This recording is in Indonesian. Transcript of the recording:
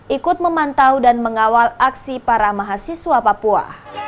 ikut memantau dan mengawal aksi para mahasiswa papua